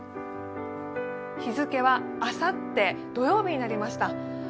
日付はあさって、土曜日になりました。